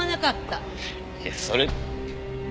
いやそれ。